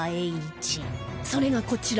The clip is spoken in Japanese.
それがこちら